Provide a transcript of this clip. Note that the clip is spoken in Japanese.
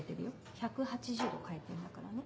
１８０度回転だからね。